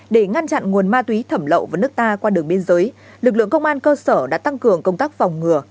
để ngăn chặn nguồn ma túy thẩm lậu vào nước ta qua đường biên giới lực lượng công an cơ sở đã tăng cường công tác phòng ngừa